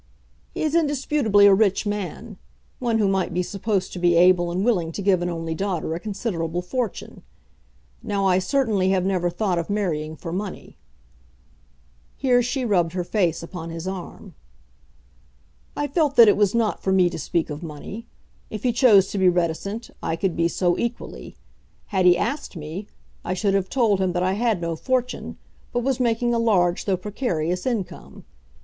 "He is indisputably a rich man, one who might be supposed to be able and willing to give an only daughter a considerable fortune. Now I certainly had never thought of marrying for money." Here she rubbed her face upon his arm. "I felt that it was not for me to speak of money. If he chose to be reticent, I could be so equally. Had he asked me, I should have told him that I had no fortune, but was making a large though precarious income.